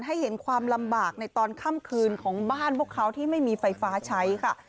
ให้เห็นความลำบากในตอนค่ำคืนของบ้านพวกเขาที่ไม่มีไฟฟ้าใช้ค่ะ